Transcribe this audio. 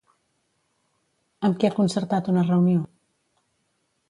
Amb qui ha concertat una reunió?